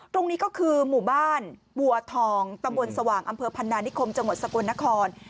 ตรงนี้ก็คือหมู่บ้านบัวทองตำบลสว่างอำเภอพันนานิคมจังหวัดสกลนคร